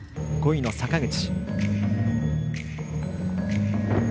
５位の坂口。